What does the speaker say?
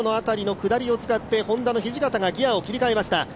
８．５ｋｍの辺りの下りを使ってＨｏｎｄａの土方がギヤを切り替えました。